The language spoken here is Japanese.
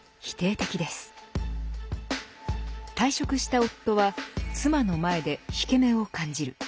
退職した夫は妻の前で引け目を感じる。